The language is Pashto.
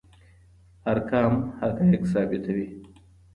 ارقام حقایق ثابتوي.